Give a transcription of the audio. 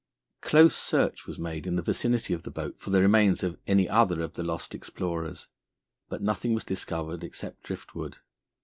Close search was made in the vicinity of the boat for the remains of any other of the lost explorers, but nothing was discovered except drift wood.